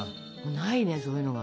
ないねそういうのが。